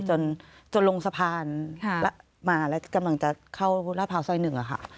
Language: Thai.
จนจนลงสะพานมาแล้วกำลังจะเข้าราภาวสอยหนึ่งอะค่ะ